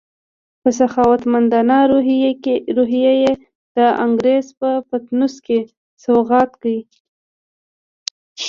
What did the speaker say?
په سخاوتمندانه روحیه یې د انګریز په پطنوس کې سوغات کړې.